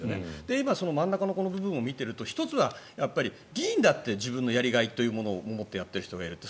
今、真ん中の部分を見ていると１つは議員だって自分のやりがいを持ってやっている人がいると。